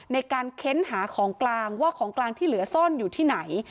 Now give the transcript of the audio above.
ในการค้นหาของกลางว่าของกลางที่เหลือซ่อนอยู่ที่ไหน